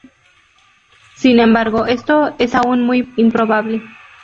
Sin embargo, esto es aún muy improbable.